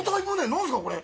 何ですか、これ。